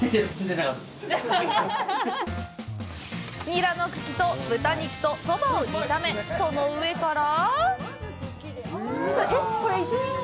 ニラの茎と豚肉とそばを炒めその上から。